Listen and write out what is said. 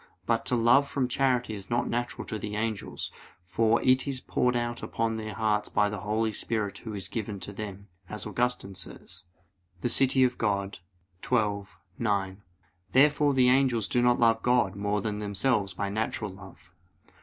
But to love from charity is not natural to the angels; for "it is poured out upon their hearts by the Holy Spirit Who is given to them," as Augustine says (De Civ. Dei xii, 9). Therefore the angels do not love God more than themselves by natural love.